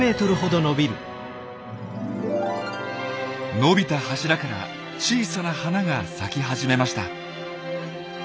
伸びた柱から小さな花が咲き始めました。